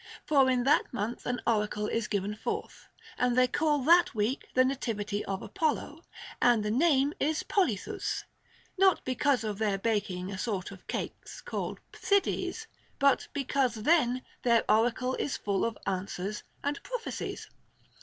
For in that month an oracle is given forth, and they call that week the nativ ity of Apollo, and the name is Polythous, not because of their baking a sort of cakes called Pthides, but because then their oracle is full of answers and prophecies.